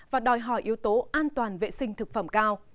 và đòi hỏi yếu tố an toàn vệ sinh thực phẩm cao